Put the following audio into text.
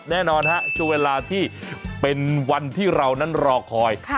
แน่นอนฮะช่วงเวลาที่เป็นวันที่เรานั้นรอคอย